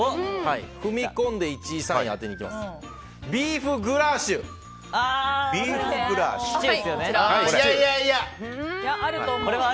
踏み込んで１位、３位当てにいきます。